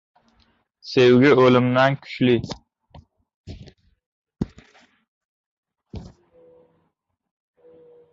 • Sevgi ― o‘limdan kuchli.